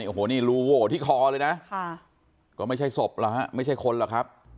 โอ้โหนี่รูโหวที่คอเลยนะก็ไม่ใช่ศพเหรอฮะไม่ใช่คนหรอกครับ